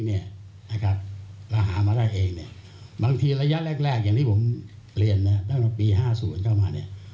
หามาได้เองเนี่ยบางทีระยะแรกอย่างที่ผมเรียนนะตั้งแต่ปี๕๐เข้ามาเนี่ย